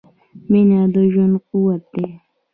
• مینه د ژوند قوت دی.